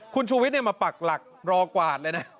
คุณชูวิทย์มาปักหลักรอกวาดเลยนะ